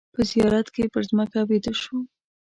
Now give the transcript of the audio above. په زیارت کې پر مځکه ویده شوم.